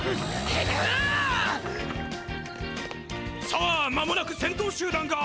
さあ間もなく先頭集団が。